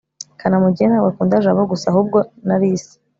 kanamugire ntabwo akunda jabo gusa ahubwo na alice